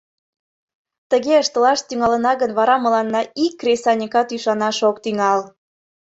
Тыге ыштылаш тӱҥалына гын, вара мыланна ик кресаньыкат ӱшанаш ок тӱҥал.